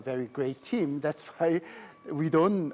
itu sebabnya kami tidak memiliki masalah tersebut